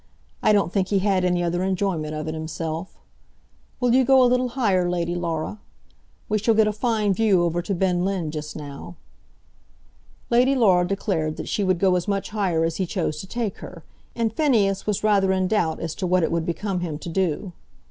I don't think he had any other enjoyment of it himself. Will you go a little higher, Lady Laura? We shall get a fine view over to Ben Linn just now." Lady Laura declared that she would go as much higher as he chose to take her, and Phineas was rather in doubt as to what it would become him to do.